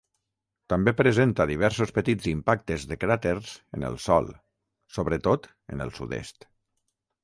També presenta diversos petits impactes de cràters en el sòl, sobretot en el sud-est.